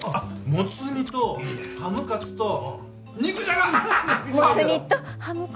もつ煮とハムカツと肉じゃが。